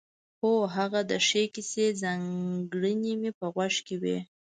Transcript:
هو هغه د ښې کیسې ځانګړنې مې په غوږ کې وې.